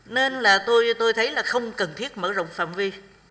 nên là tôi thấy là không cần thiết mở rộng phạm vi